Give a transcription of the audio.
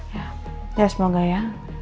ya semoga ya